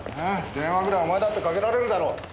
電話ぐらいお前だってかけられるだろ。